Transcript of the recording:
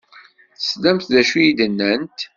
Teslamt d acu i d-nnant?